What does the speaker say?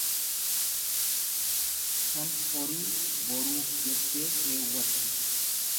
tan horii boruuf jettee keewwattu.